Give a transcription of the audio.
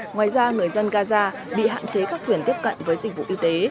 ngoài ra người dân gaza bị hạn chế các quyền tiếp cận với dịch vụ y tế